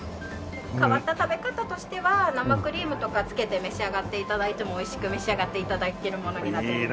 変わった食べ方としては生クリームとか付けて召し上がって頂いてもおいしく召し上がって頂けるものになっております。